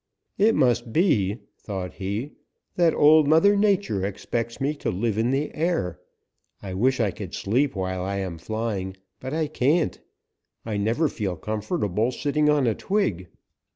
'It must be,' thought he, 'that Old Mother Nature expects me to live in the air. I wish I could sleep while I am flying, but I can't. I never feel comfortable sitting on a twig.'